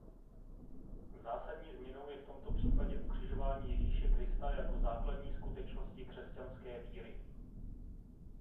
Zásadní změnou je v tomto případě ukřižování Ježíše Krista jako základní skutečnosti křesťanské víry.